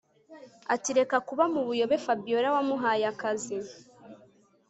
atireka kuba mubuyobe Fabiora wamuhaye akazi